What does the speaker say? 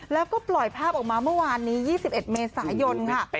แล้วก็ปล่อยภาพออกมาเมื่อวานนี้๒๑เมษายนค่ะ